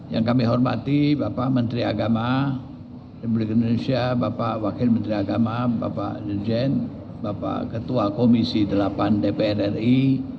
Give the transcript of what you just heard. yang kami hormati bapak menteri agama republik indonesia bapak wakil menteri agama bapak dirjen bapak ketua komisi delapan dpr ri